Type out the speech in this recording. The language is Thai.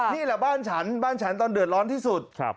นี่แหละบ้านฉันบ้านฉันตอนเดือดร้อนที่สุด